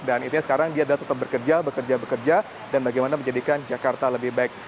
dan itu sekarang dia tetap bekerja bekerja bekerja dan bagaimana menjadikan jakarta lebih baik